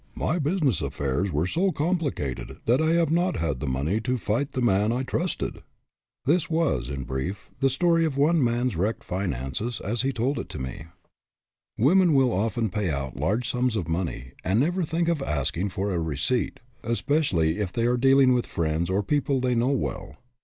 My business affairs were so complicated that I have not had the money to fight the man I trusted." This was, in brief, the story of one man's wrecked finances, as he told it to me. Women will often pay out large sums of money, and never think of asking for a receipt, especially if they are dealing with friends or people they know well.